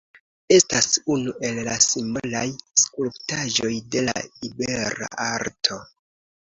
Estas unu el la simbolaj skulptaĵoj de la ibera Arto.